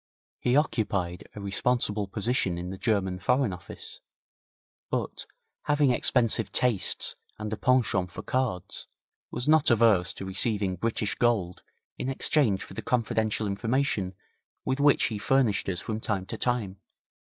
He occupied a responsible position in the German Foreign Office, but, having expensive tastes and a penchant for cards, was not averse to receiving British gold in exchange for the confidential information with which he furnished us from time to time.